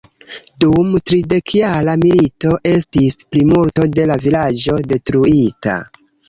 Dum tridekjara milito estis plimulto de la vilaĝo detruita.